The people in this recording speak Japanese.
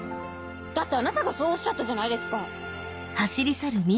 だってあなたがそうおっしゃったじゃないですか。